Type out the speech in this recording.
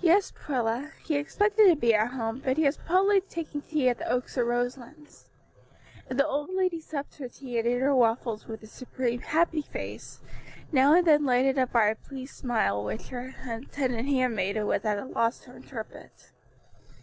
"Yes, Prilla, he expected to be at home, but is probably taking tea at the Oaks or Roselands." And the old lady supped her tea and ate her waffles with a serene, happy face, now and then lighted up by a pleased smile which her attendant handmaiden was at a loss to interpret.